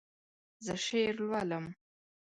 زه شعر لولم